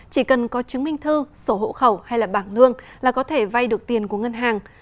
chỉ cần có chứng minh thư sổ hộ khẩu hay là bảng lương là có thể vay được tiền của ngân hàng